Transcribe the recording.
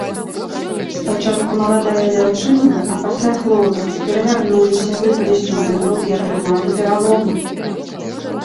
Спачатку маладая дзяўчына, а пасля хлопец перавярнуліся, выпалі з цюбінгаў і атрымалі пераломы.